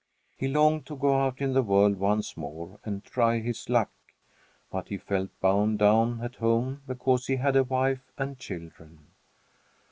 He longed to go out in the world once more and try his luck; but he felt bound down at home because he had a wife and children.